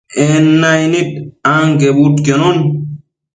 En naicnid anquebudquionon